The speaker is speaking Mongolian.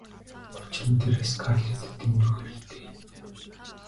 Учир нь тэр Скарлеттад дэндүү хэрэгтэй.